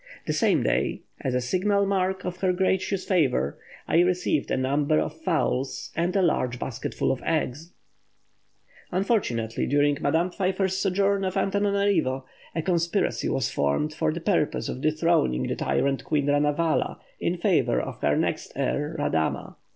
The same day, as a signal mark of her gracious favour, I received a number of fowls and a large basketful of eggs." Unfortunately, during Madame Pfeiffer's sojourn at Antananarivo, a conspiracy was formed for the purpose of dethroning the tyrant queen Ranavala in favour of the next heir, Radama.